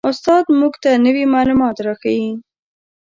استاد موږ ته نوي معلومات را ښیي